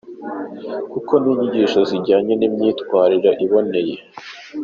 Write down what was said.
Kuko ni inyigisho zijyanye ni imyitwarire iboneye.